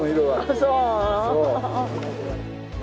そう。